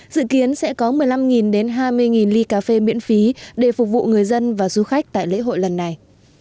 dự kiến sẽ có một mươi năm đến hai mươi ly cà phê miễn phí để phục vụ người dân và du khách tại lễ hội lần này